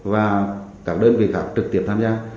và các đơn vị khác trực tiếp tham gia